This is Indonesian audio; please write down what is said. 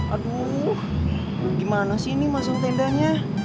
aduh gimana sih ini masang tendangnya